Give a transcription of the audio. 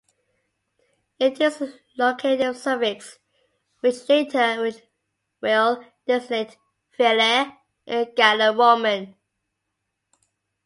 This is a locative suffix which later will designate "villae" in Gallo-Roman.